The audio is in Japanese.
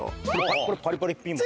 これパリパリピーマン？